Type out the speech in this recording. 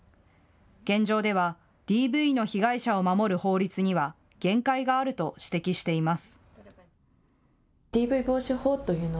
現状ではＤＶの被害者を守る法律には限界があると指摘しています。